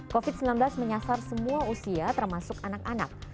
covid sembilan belas menyasar semua usia termasuk anak anak